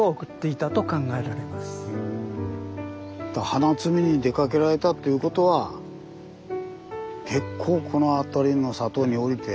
花摘みに出かけられたということは結構この辺りの里に下りて。